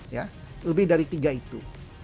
ya lebih dari tiga itu